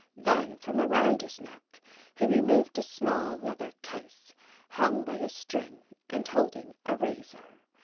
Then from around his neck he removed a small leather case, hung by a string and holding a razor.